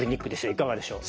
いかがでしょう？